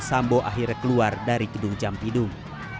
sambo akhirnya keluar dari gedung jampidung